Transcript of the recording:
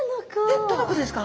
えっどの子ですか？